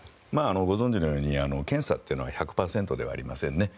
ご存じのように検査というのは１００％ではありませんね。